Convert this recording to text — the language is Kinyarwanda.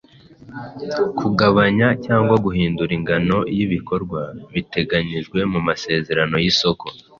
kugabanya cyangwa guhindura ingano y’ibikorwa biteganyijwe mu masezerano y’isoko